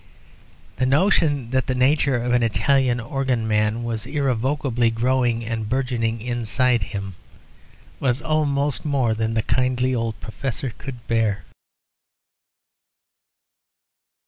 The notion that the nature of an Italian organ man was irrevocably growing and burgeoning inside him was almost more than the kindly old professor could bear.